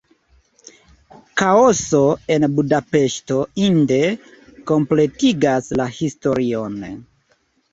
Kaoso en Budapeŝto inde kompletigas la historion.